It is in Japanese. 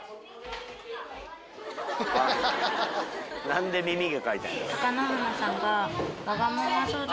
何で耳毛描いたんやろ？